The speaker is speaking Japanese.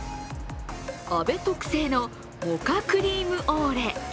アベ特製のモカクリームオーレ。